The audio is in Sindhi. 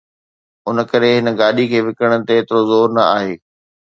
ان ڪري هن گاڏيءَ کي وڪڻڻ تي ايترو زور نه آهي